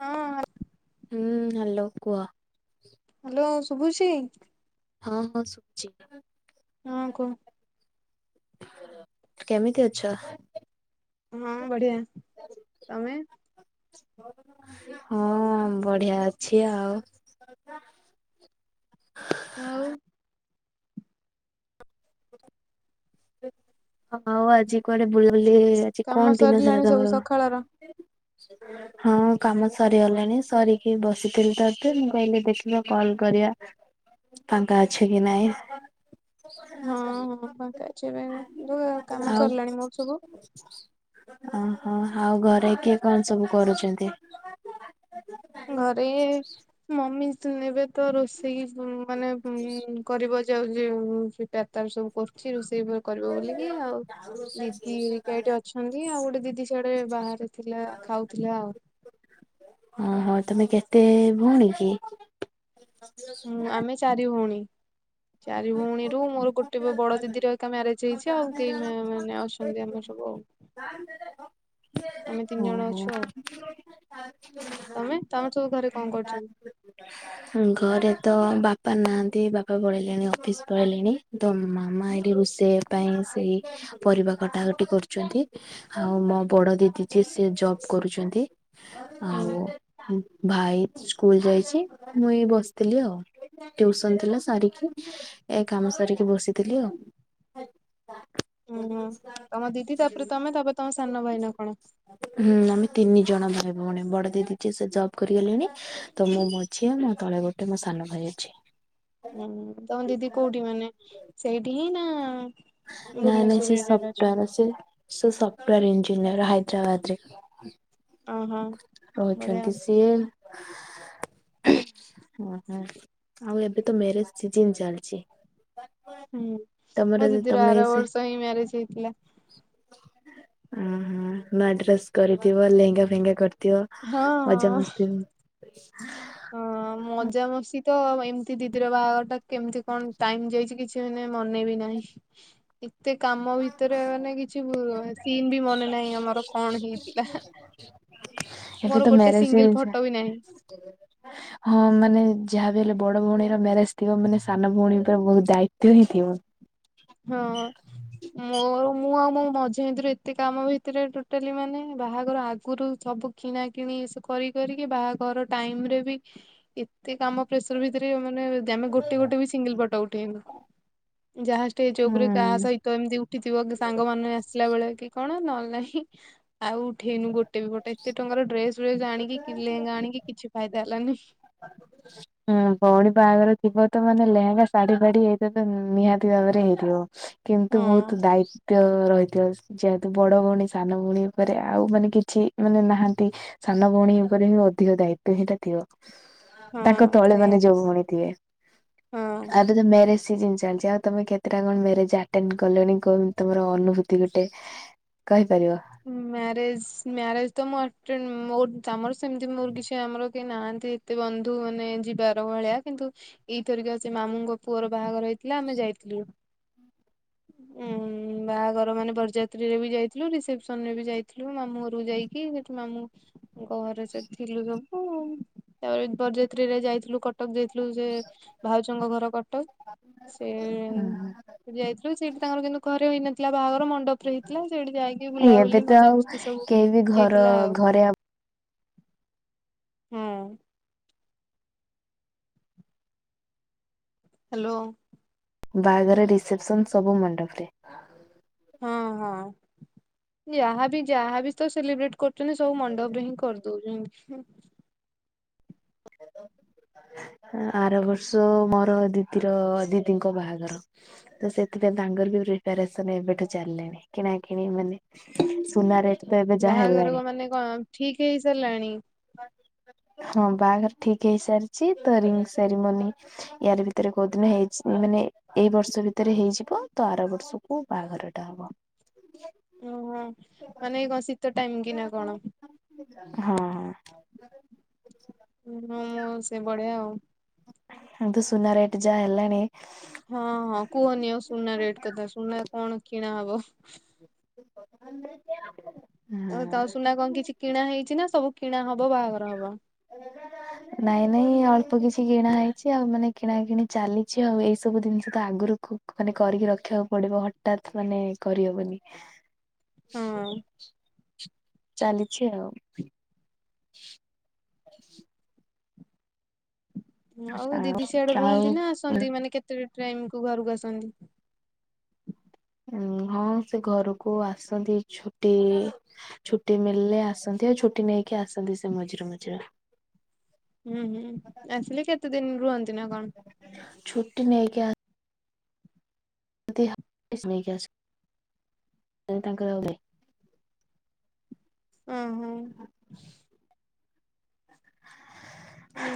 ହଁ [inaudible] ହୁଁ, ହ୍ୟାଲୋ କୁହ। ହ୍ୟାଲୋ ଶୁଭୁଛି? ହଁ ହଁ ଶୁଭୁଛି। ହଁ କୁହ। କେମିତି ଅଛ? ହଁ ବଢିଆ। ତୋମେ? ହଁ ବଢିଆ ଅଛି ଆଉ। ଆଉ ହଁ ଆଉ ଆଜି କୁଆଡେ ବୁଲି ବୁଲି ସେ କାମ କଣ ଦିନ ସାରା ସରିଲାଣି ସବୁ ତୋମର ସକାଳର ହଁ କାମ ସରିଗଲାଣି। ସରିକି ବସିଥିଲି ତ ଏବେ ମୁଁ କହିଲି ଦେଖିବା କଲ୍ କରିବା। ଫାଙ୍କା ଅଛ କି ନାଇଁ? ହଁ ହଁ ଫାଙ୍କା ଅଛି ଏବେ। ଯୋଉ କାମ ଆଉ ସରିଲାଣି ମୋର ସବୁ। ଓହୋ, ଆଉ ଘରେ କିଏ କଣ ସବୁ କରୁଛନ୍ତି? ଘରେ ମମି ତୁ ଏବେ ତ ରୋଷେଇ ବୁ- ମାନେ ଉଁ, କରିବ ଏ ଯାଉଚି ଉଁ, ସେ ତା ତାର ସବୁ କରୁଚି ରୋଷେଇ କ-କରିବ ବୋଲିକି। ଆଉ ଦିଦିି ହେରିକା ଏଠି ଅଛନ୍ତି। ଆଉ ଗୋଟେ ଦିଦି ସିଆଡେ ବାହାରେ ଥିଲା ଖାଉଥିଲା ଆଉ। ଓହୋ, ତୋମେ କେତେ ଭଉଣୀ କି? [inaudible] ମୁଁ ଆମେ ଚାରି ଭଉଣୀ। ଚାରି ଭଉଣୀରୁ ମୋର ଗୋଟେ ବଡ ଦିଦିର ଏକା ମ୍ୟାରେଜ୍ ହେଇଛି। ଆଉ କେଇ ମା- ମାନେ ଆଉ ସ ଛନ୍ତି ଆମର ସବୁ ଆଉ। [unintelligible] ଆମେ ତିନି ଜଣ ଅଛୁ ଆଉ ତୋମେ ତୋମର ସବୁ ଘରେ କଣ କରୁଛନି? ଘରେ ତ ବାପା ନାଆନ୍ତି। ବାପା ପଳେଇଲେଣି ଅଫିସ୍ ପଳେଇଲେଣି। ତ ମାମା ଏଇଠି ରୋଷେ ପାଇଁ ସେଇ ପରିବା କଟାକଟି କରୁଚନ୍ତି। ଆଉ ମୋ ବଡ ଦିଦି ଯିଏ ସେ ଜବ୍ କରୁଚନ୍ତି। ହୁଁ ଆଉ ଭାଇ ସ୍କୁଲ୍ ଯାଇଚି ମୁଇଁ ଏ ବସିଥିଲି ଆଉ। ଟିଉସନ୍ ଥିଲା ସାରିକି ଏ କାମ ସାରିକି ବସିଥିଲି ଆଉ। ଅଁ ହଁ, ତୋମ ଦିଦି ତାପରେ ତୋମେ ତାପରେ ତୋମ ସାନ ଭାଇ ନା କଣ। ହୁଁ, ଆମେ ତିନି ଜଣ ଭାଇ ଭଉଣୀ ବଡ ଦିଦି ଯୈ ସେ ଜବ୍ କରିଗଲେଣି। ତ ମୁଁ ମଝିଆ ମୋ ତଳେ ଗୋଟେ ମୋ ସାନ ଭାଇ ଅଛି। ହୁଁ, ତୋମ ଦିଦି କୋଉଠି ମାନେ ସେଇଠି ହିଁ ନା ନାଇଁ ନାଇଁ ସେ ଭୁବନେଶ୍ଵରରେ ଅଛନ୍ତି ସଫ୍ଟୱାର୍ ଅଛି। ସେ ସଫ୍ଟୱାର ଇଞଜିନିୟର୍ ହାଇଦ୍ରାବାଦରେ। ଓହୋ ବଢିଆ ରହୁଛନ୍ତି ସିଏ। [inaudible] ଓ ହୋ ଆଉ ଏବେ ତ ମ୍ୟାରେଜ୍ ସିଜନ୍ ଚାଲିଚି। ହୁଁ, ମୋ ଦିଦିର ଆର ବର୍ଷ ହିଁ ମ୍ୟାରେଜୂ ହେଇଥିଲା। ଓ ହୋ ନୂଆ ଡ୍ରେସ୍ କରିଥିବ ଲେହେଙ୍ଗା ଫେଙ୍ଗା କରିଥିବ। ହଁ ହଁ ମଜାମସ୍ତି ହଁ। ମଜାମସ୍ତି ତ ଏମିତି ଦିଦିର ବାହାଘର ଟା କେମିତି କଣ ଟାଇମ ଯାଇଚି କିଛି ମାନେ ମନେ ବି ନାହିଁ। [inaudible] ଏତେ କାମ ଭିତରେ ମାନେ କିଛି ବୁ ସିନ୍ ବି ମନେ ନାହିଁ ଆମର କଣ ହେଇଥିଲା। ଏବେ ମୋର ତ ଗୋଟେ ମ୍ୟାରେଜ୍ ସିଙ୍ଗଲ ହେଇଛି। ଫଟୋ ବି ନାହିଁ ହଁ ମାନେ ଯାହା ବି ହେଲେ ବଡ ଭଉଣୀର ମ୍ୟାରେଜ ଥିବ ମାନେ ସାନ ଭଉଣୀ ଙ୍କ ବହୁତ ଦାୟିତ୍ୱ ହିଁ ଥିବ। ହଁ ମୋର ମୁଁ ଆଉ ମୋ ମଝି ସେମିତିରେ ଏତେ କାମ ଭିତରେ ଟୋଟାଲି ମାନେ ବାହାଘର ଆଗରୁ ସବୁ କିଣା କିିଣି ଏ ସ କରି କରିକି ବାହାଘର ଟାଇମରେ ବି ଏତେ କାମ ପ୍ରେସର ଭିତରେ ମାନେ ଆମେ ଗୋଟେ ଗୋଟେ ବି ସିଙ୍ଗଲ ଫୋଟ ଉଠେଇନୁ ଯାହା ଷ୍ଟେଜ ଉପରେ ହୁଁ କାହା ସହି ତ ଏମିତି ଉଠିଥିବ କି ସାଙ୍ଗ ମାନ ଆସିଲା ବେଳେ କି କଣ ନହେଲେ ନାହିଁ ଆଉ ଉଠେଇନୁ ଗୋ ଟେ ବି ଫୋଟ ଏତେ ଟଙ୍କାର ଡ୍ରେସ ଫ୍ରେସ୍ ଆଣିକି ଲେହେଙ୍ଗା ଆଣିକି କିଛି ଫାଇଦା ହେଲାନି। [unintelligible] ହୁଁ ଭଉଣୀ ବାହାଘର ଥିବ ତ ମାନେ ଲେହେଙ୍ଗା ଶାଢୀ ଫାଢୀ ଏଇତ ତ ନିହାତି ଭାବରେ ହେଇଥିବ। କିନ୍ତୁ ହଁ ବହୁତ ଦାୟି ତ ରହିଥିବ ଯେହେତୁ ବଡ ଭଉଣୀ ସାନ ଭଉଣୀ ଉପରେ ଆଉ ମାନେ କିଛି ମାନେ ନାହାନ୍ତି ସାନ ଭଉଣୀ ଉପରେ ହିଁ ଅଧିକ ଦାୟିତ୍ୱ ହିଁ ଟା ଥିବ। ହଁ ତାଙ୍କ ତଳେ ମାନେ ସେଇୟା ଯୋଉ ଭଉଣୀ ଥିବେ। ହଁ ଆଉ ଯଦି ମ୍ୟାରେଜ ସିଯିନ ଚାଲିଚି ଆଉ ତମେ କେତେଟା କଣ ମ୍ୟାରେଜ ଆଟେଣ୍ଡ କଲଣି କଣ ତମର ଅନୁଭୂତି ଗୋଟେ। କହିପାରିବ। ମ୍ୟାରେଜ ମ୍ୟାରେଜ ତ ମୁଁ ଆଟେନ ମୋ ତମର ସେମତି ମୋର କିଛି ଆମର କେହି ନାହାନ୍ତି। ଏତେ ବନ୍ଧୁ ମାନେ ଯିବାର ଭଳିଆ କିନ୍ତୁ ଏଇ ଥରିକ ସେ ମାମୁଁଙ୍କ ପୁଅର ବାହାଘର ହେଇଥିଲା ଆମେ ଯାଇଥିଲୁ। ଉଁନ ବାହାଘର ମାନେ ବରଯାତ୍ରୀରେ ବି ଯାଇଥିଲୁ ରିସେପ ସନ୍ ରେ ବି ଯାଇଥିଲୁ ମାମୁଁ ଘରୁକୁ ଯାଇକି ସେଠି ମାମୁ ଘରେ ସେଠି ଥିଲୁ ସବୁ ତାପରେ ବରଯାତ୍ରୀରେ ଯାଇଥିଲୁ କ ଟକ ଯାଇଥିଲୁ ସେ ଭାଉଜଙ୍କ ଘର କଟକ ସେ ସେଠି ଯାଇଥିଲୁ ସେଠି ତାଙ୍କର କିନ୍ତୁ ଘରେ ହେଇନଥିଲା ବାହାଘର ମଣ୍ଡପରେ ହେଇଥିଲା ସେଇଠି କି ଏବେ ବୁଲାବୁଲି ତ ଆଉ ମଜାମସ୍ତି ସବୁ କେହି ବି ଘର ହେଇଥିଲା ଆଉ। ଘରେ ହଁ। ହ୍ୟାଲୋ ବାହାଘର ରିସେପସନ ସବୁ ମଣ୍ଡପ ରେ। ହଁ ହଁ। ଯାହାବି ଯାହାବି ତ ସେଲିବ୍ରେଟ କରୁଛନ୍ତି ସବୁ ମଣ୍ଡପରେ ହିଁ କରିଦଉଛନ୍ତି ହୁଁ। [inaudible] ଆର ବର୍ଷ ମୋର ଦିଦିର ଦିଦିଙ୍କ ବାହାଘର। ତ ସେଥିପାଇଁ ତାଙ୍କର ବି ପ୍ରିପାରେସନ ଏବେଠୁ ଚାଲିଲେଣି କିଣା କିିଣି ମାନେ ସୁନା ରେଟ ତ ଏବେ ଯାହା ବାହାଘର ହେଲାଣି ମାନେ କଣ ଠିକ ହେଇ ସାରିଲାଣି? ହଁ ବାହାଘର ଠିକ ହେଇସାରିଛି ତ ରିଙ୍ଗ ସେରିମନି ୟାରି ଭିତରେ କୋଉଦିନ ହେଇଛି ମାନେ ଏଇ ବର୍ଷ ଭିତରେ ହେଇଯିବ ତ ଆର ବର୍ଷକୁ ବାହାଘରଟା ହବ। ଉଁ ହୁଁ। ମାନେ ଏ କଣ ଶୀତ ଟାଇମ କି ନା କଣ? ହଁ ହଁ। ହୁଁ ହୁଁ ମୁଁ ସେ ବଢିଆ ଆଉ। ହୁଁ ତ ସୁନା ରେଟ ଯାହା ହେଲାଣି ହଁ ହଁ କୁହନି ଆଉ ସୁନା ରେଟ କଥା ସୁନା କଣ କିଣା ହବ? [unintelligible] ଆ ତ ସୁନା କଣ କିଛି ହଁ। କିଣା ହେଇଛି ନା ସବୁ କିଣା ହବ ବାହାଘର ହବ? [unintelligible] ନାଇଁ ନାଇଁ ଅଳ୍ପ କିଛି କିଣା ହେଇଛି ଆଉ ମାନେ କିଣା କିିଣି ଚାଲିଛି ଆଉ ଏଇ ସବୁ ଜିନିଷ ତ ଆଗରୁ ମାନେ କରିକି ରଖିବାକୁ ପଡିବ ହଠାତ୍ ମାନେ କରିହବନି। ହୁଁ। ଚାଲିଛି ଆଉ। ଆଉ ଦିଦି ସିଆଡେ ରୁହନ୍ତି ନା ଆସନ୍ତି ମାନେ କେତେଟା ଟ୍ରାଇମ କୁ ଘରକୁ ଆସନ୍ତି? ଆଉ ହଁ ସେ ଘରକୁ ଆସନ୍ତି ଛୁଟି ଛୁଟି ମିଳିଲେ ଆସନ୍ତି ଆଉ ଛୁଟି ନେଇକି ଆସନ୍ତି ସେ ମଝିରେ ମଝିରେ। ହୁଁ ହୁଁ ଆସିଲେ କେତେ ଦିନ ରୁହନ୍ତି ନା କଣ? ଛୁଟି ନେଇକି ଆ [unintelligible] ଓ ହୋଁ।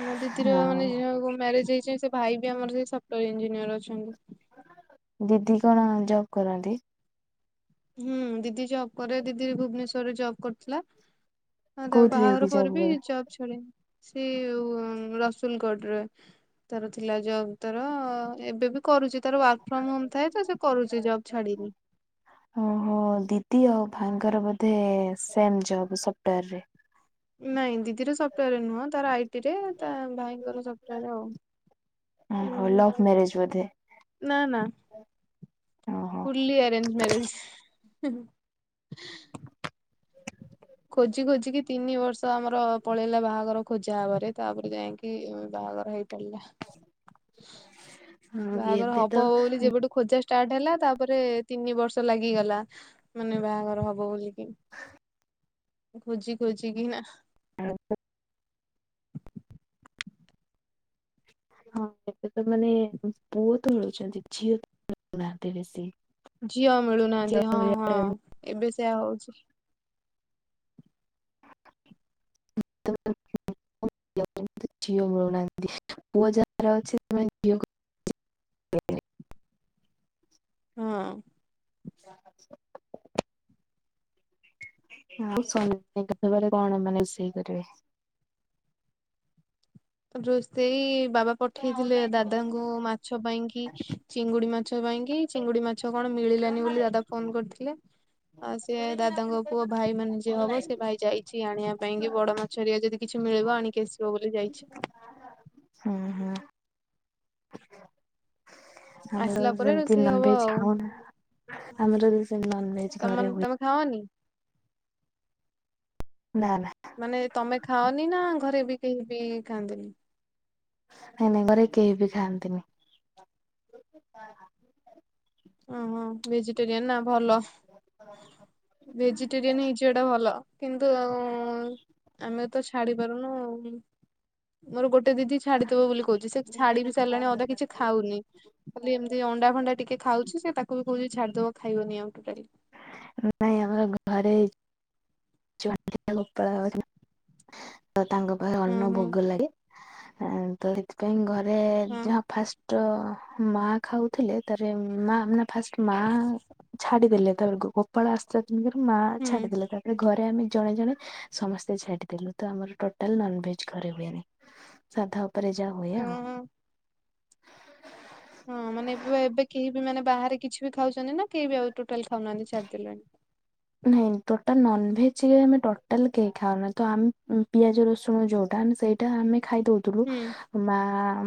ମୋ ଦିଦିର ଆଉ ମାନେ ଯାହାକୁ ମ୍ୟାରେଜ ହେଇଚି ସେ ଭାଇ ବି ଆମର ସେ ସଫ୍ଟଓୟାର ଇଞ୍ଜିନିୟର ଅଛନ୍ତି। ଦିଦି କଣ ଜବ କରନ୍ତି? ହୁଁ ଦିଦି ଜବ୍ କରେ ଦିଦିର ଭୁବନେଶ୍ୱରରେ ଜବ୍ କରିଥିଲା। ହଁ ତା କୋଉଥିରେ ବାହାଘର ଦିଦି ଜବ୍ ପରେ ବି କରନ୍ତି? ଜବ୍ ଛାଡିନି। ସେ ରସୁଲଗଡରେ। ତାର ଥିଲା ଜବ୍ ତର ଏବେ ବି କରୁଛି ତାର ୱାର୍କ ଫ୍ରମ ହୋମ ଥାଏ ତ ସେ କରୁଛି ଜବ୍ ଛାଡିିନି। ଓହୋ ଦିଦି ଆଉ ଭାଇଙ୍କର ବୋଧେ ସେମ ଜବ ସପ୍ଟଓୟାରରେ। ନାଇଁ ଦିଦିର ସପ୍ଟଓୟାରରେ ନୁହଁ ତାର ଆଇଟି ଟିରେ ତା ଭାଇଙ୍କର ସପ୍ଟଓୟାର ଆଉ। ଓହୋ ଲଭ୍ ଉଁ ମ୍ୟାରେଜ ବୋଧେ ନା ନା ଓହୋ। ଫୁଲି ଅରେଞ୍ଜ ମ୍ୟାରେଜ। ଖୋଜି ଖୋଜିିକି ତିନି ବର୍ଷ ଆମର ପଳେଇଲା ବାହାଘର ଖୋଜା ହବାରେ। ତାପରେ ଯାଇଁକି ବାହାଘର ହେଇ ହେଲା। ହଁ ବାହାଘର ହବ ଏବେ ତ ହବ ବୋଲି ଯେବେଠୁ ଖୋଜା ଷ୍ଟାର୍ଟ ହେଲା ତାପରେ ତିନି ବର୍ଷ ଲାଗିଗଲା ମାନେ ବାହାଘର ହବ ବୋଲିକି। ଖୋଜି ଖୋଜିିକିନା। ଆଉ ହଁ ଏବେ ତ ମାନେ ପୁଅତ ମିଳୁଛନ୍ତି ଝିଅତ ମିଳୁନାହାନ୍ତି ବେଶୀ। ଝିଅ ଝିଅ ମିଳୁନାହାନ୍ତି ହଁ ହଁ ଏବେ ସେୟା ହଉଛି। [inaudible] ଝିଅ ମିଳୁନାହାନ୍ତି ପୁଅ ଯାହାର ଅଛି ସେମାନେ ଝିଅ ହଁ। ଆ [unintelligible] କଣ ମାନ ରୋଷେଇ କରିବେ? ରୋଷେଇ ବାବା ପଠେଇଥିଲେ ଦାଦାଙ୍କୁ ମାଛ ପାଇଁକି ଚିଙ୍ଗୁଡି ମାଛ ପାଇଁକି ଚିଙ୍ଗୁଡି ମାଛ କଣ ମିଳିଲାନି ବୋଲି ଦାଦା ଫୋନ କରିଥିଲେ। ଆଉ ସିଏ ଦାଦାଙ୍କ ପୁଅ ଭାଇ ମାନେ ଯିଏ ହବ ସେ ଭାଇ ଯାଇଚି ଆଣିବା ପାଇଁ କି ବଡ ମା ଚରିଆ ଯଦି କିଛି ମିଳିବ ଆଣିକି ଆସିବ ବୋଲି ଯାଇଚି। ହୁଁ ହୁଁ। ଆମର ଆସିଲା ପରେ ସେମତି ରୋଷେଇ ହବ ନନଭେଜ ଆଉ ଖାଉନା ଆମର ସେ ନନଭେଜ ତମ ଘରେ ହୁଏ ତମେ ଖାଅନି? ନା ନା। ମାନେ ତମେ ଖାଅନି ନା ଘରେ ବି କେହି ବି ଖାଆନ୍ତିନି? ନାଇଁ ନାଇଁ ଘରେ କେହି ବି ଖାଆନ୍ତିନି। [unintelligible] ଓହୋ ଭେଜିଟେରିୟନ ନା ଭଲ। ଭେଜିଟେରିଆନ ହେଇଯିବାଟା ଭଲ କିନ୍ତୁ ଆମେ ତ ଛାଡି ପାରୁନୁ ମୋର ଗୋଟେ ଦିଦି ଛାଡିଦବ ବୋଲି ସେ ଛାଡି ବି ସାରିଲାଣି ଅଧା କିଛି ଖାଉନି ଖାଲି ଏମିତି ଅଣ୍ଡା ଫଣ୍ଡା ଟିକେ ଖାଉଚି ସେ ତାକୁ ବି କହୁଚି ଛାଡିଦବ ଖାଇବନି ଆଉ ଟୋଟାଲି। ନାଇଁ ଆମର ଘରେ ଗୋପାଳ [unintelligible] ତ ତାଙ୍କ ପାଖ ହଁ ଅନ ହଁ ଭୋଗ ଲାଗେ। ତ ସେଥିପାଇଁ ଘରେ ହଁ ଯହା ଫାଷ୍ଟ ର ମା ଖାଉଥିଲେ ତାରେ ମା ନା ଫାଷ୍ଟ ମା ଛାଡିଦେଲେ ତାରେ ଗୋପାଳ ଆସିଲା [unintelligible] ମା ହୁଁ ଛାଡିଦେଲେ। ତାପରେ ଘରେ ଆମେ ଜଣେ ଜଣେ ସମସ୍ତେ ଛାଡିଦେଲୁ ତ ଆମର ଟୋଟାଲ ନନଭେଜ ଘରେ ହୁଏନି। ସାଧା ଉ ପରେ ଜା ହୁଏ ଆଉ। ଓହୋ ହଁ ମାନେ ଏବେ ଏବେ କେହି ବି ମାନେ ବାହାରେ କିଛି ବି ଖାଉଛନ୍ତି ନା କେହି ବି ଆଉ ଟୋଟାଲ ଖାଉନାହାନ୍ତି ଛାଡିଦେଲେଣି? ନାଇଁ ଟୋଟାଲ ନନଭେଜ ଆମେ ଟୋଟାଲ କେହି ଖାଉନା ତ ଆମେ ପିଆଜ ରସୁଣ ଯୋଉଟା ଆମେ ସେଇ ଏଇଟା ଆମେ ଖାଇ ଦଉଥିଲୁ ହୁଁ ମା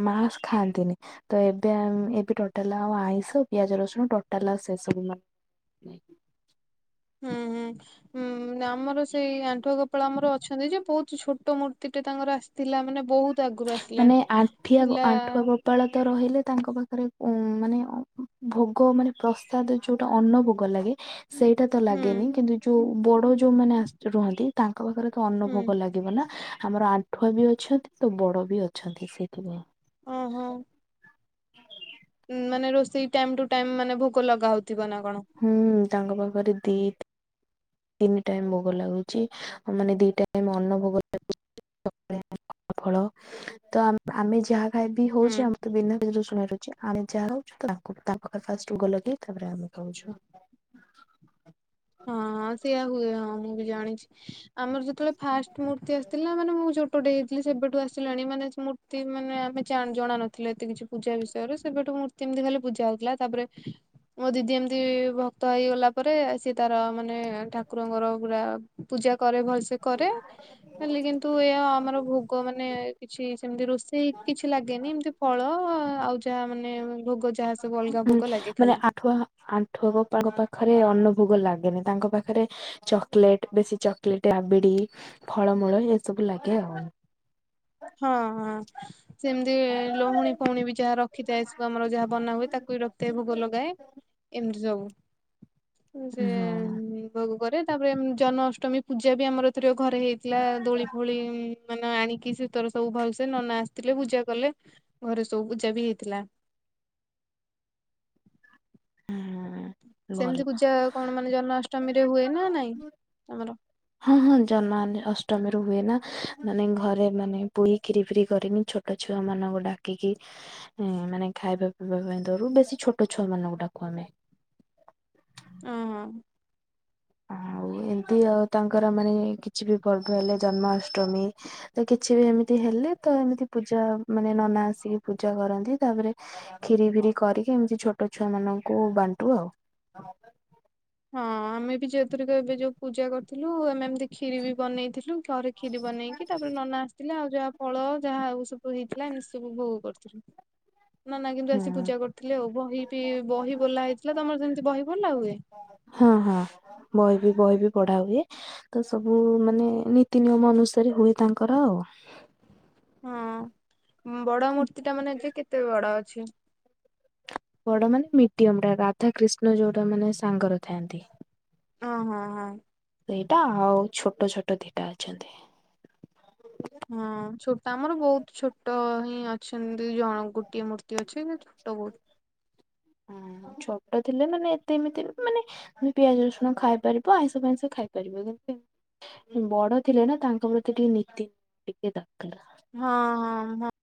ମା ଖାଆନ୍ତିନି। ତ ଏବେ ଏବେ ଟୋଟାଲା ଆଉ ଆଇଁଷ ପିଆଜ ରସୁଣ ଟୋଟାଲ ଆଉ ସେ ସବୁ ନୁହଁ। ନାଇଁ ହୁଁ ହୁଁଁ ଆମର ସେଇ ଆଣ୍ଠୁଆ ଗୋପାଳ ଆମର ଅଛନ୍ତି ଯେ ବହୁତ ଛୋଟ ଛୋଟ ମୂର୍ତ୍ତି ଟେ ତାଙ୍କର ଆସିଥିଲା ମାନେ ବହୁତ ଆଗରୁ ଆସି ମାନେ ଆଠିଗ ଆଣ୍ଠୁଆଗୋ ଉତ୍ପାଳତ ରହିଲେ ତାଙ୍କ ପାଖରେ ଉ ମାନେ ଭୋଗ ମାନେ ପ୍ରସାଦ ଯୋଉଟା ଅନ୍ନ ଭୋଗ ଲାଗେ ସେଇଟା ତ ହୁଁ ଲାଗେନି କିନ୍ତୁ ଯୋଉ ବଡ ଯୋଉମାନେ ଆସି ରୁହନ୍ତି ତାଙ୍କ ପାଖରେ ତ ହୁଁ ଅନୁଭୋଗ ଲାଗେ। [unintelligible] ଆମର ଆଣ୍ଠୁଆ ବି ଅଛନ୍ତି ତ ବଡ ବି ଅଛନ୍ତି ସେଥିପାଇଁ। ଓହୋ। ମାନେ ରୋଷେଇ ଟାଇମ ଟୁ ଟାଇମ ମାନେ ଭୋଗ ଲଗ ହଉଥିବ ନା କଣ? ହୁଁ ତାଙ୍କ ପାଖରେ ଦିଟ ତିନି ଟାଇମ ଭୋଗ ଲାଗୁଚି ମାନେ ଦି ଟ ଅନ ଭୋଗ ଲାଗୁଚି। ଫଳ ତ ଆମେ ଯାହା ଖାଇବ ହୁଁ। ହଉଚେ ଆମ ବିନା ପିଆଜ ରସୁଣ ହଉଚି ଆମେ ଯାହା ଖାଉଚୁ ତାଙ୍କୁ ତାଙ୍କ ପାଖରେ ଫାଷ୍ଟ ଭୋଗ ଲଗେଇ ତାପରେ ଆମେ ଖାଉଚୁ। ହଁ ହଁ ସେଇୟଆ ହୁଏ ହଁ ମୁଁ ବି ଜାଣିଚି। ଆମର ଯେତେବେଳେ ଫାଷ୍ଟ ମୂର୍ତ୍ତି ଆସିଥିଲା ମାନେ ମୁଁ ଛୋଟଟେ ହେଇଥିଲ ସେବେଠୁ ଆସିଲାଣି ମାନେ ତି ମାନେ ଆମେ ଜଣ ନଥିଲେ ଏତେ କିଛି ପୂଜା ବିଷୟରେ ସେବେଠୁ ମୂର୍ତ୍ତି ଏମିତି ଖାଲି ପୂଜା ହଉଥିଲା ତାପରେ ମୋ ଦିଦି ଏମିତି ଭକ୍ତ ହେଇଗଲା ପରେ ସିଏ ତାର ମାନେ ଠାକୁରଙ୍କର ପୁରା ପୂଜା କରେ ଭଲସେ କରେ। ଖାଲି କିନ୍ତୁ ଏ ଆମର ଭୋଗ ମାନେ କିଛି ସେମତି ରୋଷେଇ କିଛି ଲାଗେନି। ଏମିତି ଫଳ ଆଉ ଯାହା ମାନେ ଭୋଗ ଯାହା ସବୁ ଅଲଗା ଉୁଁ ଭୋଗ ଲାଗେ ମାନେ ଖାଲି। ଆଣ୍ଠୁଆ ଆଣ୍ଠୁଆ ଗୋପାଳ ପାଖରେ ଅନ୍ନଭୋଗ ଲାଗେନି। ତାଙ୍କ ପାଖରେ ଚକୋଲେଟ୍ ବେଶୀ ଚକୋଲେଟ୍ ରାବିଡି ଫଳମୂଳ ଏ ସବୁ ଲାଗେ ଆଉ। ହଁ ହଁ। ସେମିତି ଲହୁଣୀ ଫୋଉଣି ବି ଯାହା ରଖିଥାଏ ସବୁ ଆମର ଯାହା ବନା ହୁଏ ତାକୁ ବି ରଖିଥାଏ ଭୋଗ ଲଗାଏ। ଏମିତି ସବୁ। ସେ ହଁ ଭୋଗ କରେ ତାପରେ ଜନ୍ନଷ୍ଟମୀ ପୂଜା ବି ଆମର ରେ ଘରେ ହେଇଥିଲା ଦୋଳି ଫୋଳି ମାନେ ଆଣିକି ସେ ତର ସବୁ ଭଲସେ ନନା ଆସିଥିଲେ ପୂଜା କଲେ ଘରେ ସବୁ ପୂଜା ବି ହେଇଥିଲା। ତ ହଁ ଭଲ। ସେମିତି ପୂଜା କଣ ମାନେ ଜନ୍ମାଷ୍ଟମୀ ରେ ହୁଏ ନା ନାଇଁ ତମର? ହଁ ହଁ ଯନ୍ମାନି ଅଷ୍ଟମୀରୁ ହୁଏ ନା ମାନେ ଘରେ ମାନେ ପୁରୀ କ୍ଷୀରି ଫିରି କରିମି ଛୋଟ ଟ ଛୁଆ ମାନଙ୍କୁ ଡାକିକି ଇଁ ମାନେ ଖାଇବା ପିଇବା ପାଇଁ ଦରୁ ବେଶୀ ଛୋଟ ଛୁଆ ମାନଙ୍କୁ ଡାକୁ ଆମେ। ଓଁ ହୋ। ଆଉ ଏମତି ଆଉ ତାଙ୍କର ମାନେ କିଛି ବି ପର୍ବ ହେଲେ ଜନ୍ମାଷ୍ଟମୀ ତ କିଛି ବି ଏମିତି ହେଲେ ତ ଏମିତି ପୂଜା ମାନେ ନନା ଆସିକି ପୂଜା କରନ୍ତି। ତାପରେ କ୍ଷୀରି ଫିରି କରିକି ଏମିତି ଛୋଟ ଛୁଆ ମାନଙ୍କୁ ବାଣ୍ଟୁ ଆଉ। ହଁ ଆମେ ବି ଯହେତୁ ଟିକେ ଏବେ ଯୋଉ ପୂଜା କରିଥିଲୁ ଆମେ ଏମିତି କ୍ଷୀରି ବି ବନେଇଥିଲୁ। ଘରେ କ୍ଷୀରି ବନେଇକି ତାପରେ ନନା ଆସିଥିଲେ ଆଉ ଯାହା ଫଳ ଯାହା ଆଉ ସବୁ ହେଇଥିଲା ଆମେ ସବୁ ଭୋଗ କରିୁଥିଲୁ। ନନା କିନ୍ତୁ ହୁଁ ଆସି ପୂଜା କରିଥିଲେ ଆଉ। ବହି ବି ବହି ବୋଲା ହେଇଥିଲା ତମର ସେମିତି ବହି ବୋଲା ହୁଏ? ହଁ ହଁ ବହି ବି ବହି ବି ପଢା ହୁଏ। ତ ସବୁ ମାନେ ନୀତି ନିୟମ ଅନୁସାରେ ହୁଏ ତାଙ୍କର ଆଉ। ହଁ ବଡ ମୂର୍ତ୍ତି ଟା ମାନେ ଯେ କେତେ ବଡ ଅଛି? ବଡ ମାନେ ମିଡିୟମ ଟା ରାଧା କୃିଷ୍ଣ ଯୋଉଟା ମାନେ ସାଙ୍ଗର ଥାଆନ୍ତି। ହଁ ହଁ ହଁ। ସେଇଟା ଆଉ ଛୋଟ ଛୋଟ ଦିଟା ଅଛନ୍ତି। ହଁ ଛୋଟ ଆମର ବୋହୁତ ଛୋଟ ହିଁ ଅଛନ୍ତି ଜଣଙ୍କ ଗୋଟିଏ ମୂର୍ତ୍ତି ଅଛି। ଛୋଟ ବୋହୁତ। ଛୋଟ ଥିଲେ ମାନେ ଏତେ ଏମିତି ମାନେ ମାନେ ପିଆଜ ରସୁଣ ଖାଇ ପାରିବ ଆଇଁଷ ଫାଇଁଷ ଖାଇ ପାରିବ। ଯେମିତି ବଡ ଥିଲେ ନା ତାଙ୍କ ପ୍ରତି ଟିକେ ନୀତି ଟିକେ ଦରକାର। ହଁ ହଁ ହଁ।